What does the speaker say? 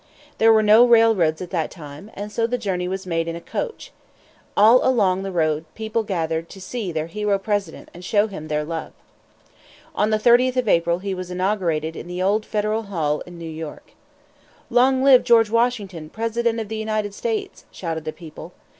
There were no railroads at that time, and so the journey was made in a coach. All along the road the people gathered to see their hero president and show him their love. On the 30th of April he was inaugurated at the old Federal Hall in New York. "Long live George Washington, President of the United States!" shouted the people.